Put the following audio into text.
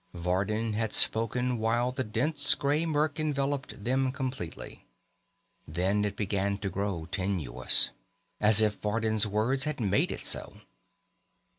Vardin had spoken while the dense gray murk enveloped them completely. Then it began to grow tenuous. As if Vardin's words had made it so.